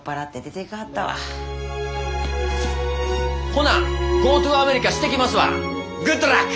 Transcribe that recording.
ほなゴートゥアメリカしてきますわグッドラック！